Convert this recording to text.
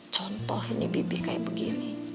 contoh ini bibi kayak begini